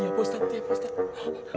iya pak ustadz